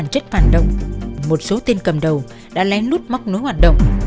nhưng với bản chất phản động một số tên cầm đầu đã lén lút móc nối hoạt động